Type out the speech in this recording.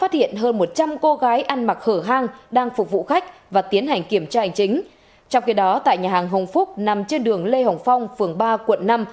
trong khi đó tại nhà hàng hồng phúc nằm trên đường lê hồng phong phường ba quận năm